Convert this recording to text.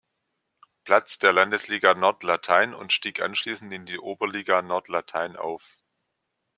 Platz der Landesliga Nord Latein und stieg anschließend in die Oberliga Nord Latein auf.